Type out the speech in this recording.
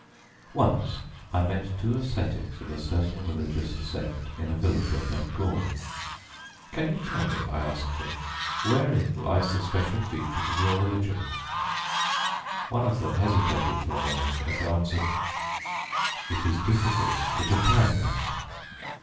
Once I met two ascetics of a certain religious sect in a village of Bengal. "Can you tell me," I asked them, "wherein lies the special features of your religion?" One of them hesitated for a moment and answered, "It is difficult to define that."